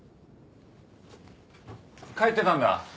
帰ってたんだ？